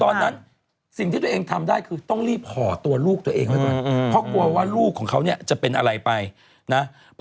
อะไรไปนะเพราะว่าลูกของเขาเนี่ยจะเป็นอะไรไปนะพอ